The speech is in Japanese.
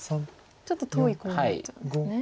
ちょっと遠いコウになっちゃうんですね。